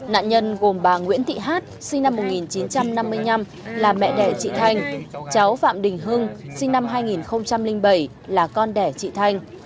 nạn nhân gồm bà nguyễn thị hát sinh năm một nghìn chín trăm năm mươi năm là mẹ đẻ chị thanh cháu phạm đình hưng sinh năm hai nghìn bảy là con đẻ chị thanh